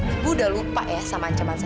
ibu udah lupa ya sama ancaman saya